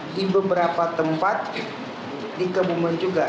di beberapa tempat di kebumen juga